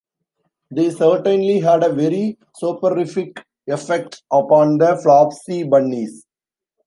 They certainly had a very soporific effect upon the Flopsy Bunnies!